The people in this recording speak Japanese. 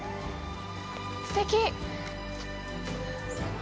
すてき。